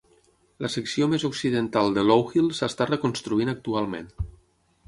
La secció més occidental de Low Hill s"està reconstruint actualment.